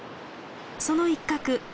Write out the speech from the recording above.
その一角